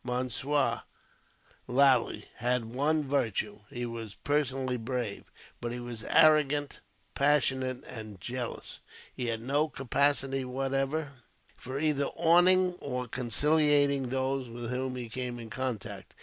Monsieur Lally had one virtue. He was personally brave; but he was arrogant, passionate, and jealous. He had no capacity, whatever, for either awing or conciliating those with whom he came in contact.